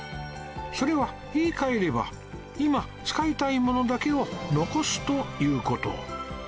それは言い換えれば今使いたいものだけを残すという事